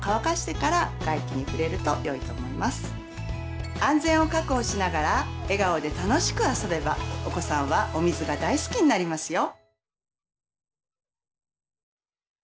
最後に安全を確保しながら笑顔で楽しく遊べばお子さんはお水が大好きになりますよ！